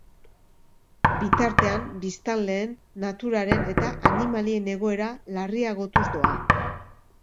Bitartean, biztanleen, naturaren eta animalien egoera larriagotuz doa.